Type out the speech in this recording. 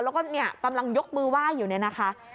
แล้วก็เนี่ยกำลังยกมือไหว้อยู่เนี่ยนะคะ